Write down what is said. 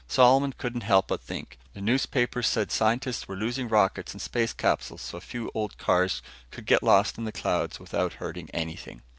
Solomon couldn't help but think, "The newspapers said scientists were losing rockets and space capsules, so a few old cars could get lost in the clouds without hurting anything."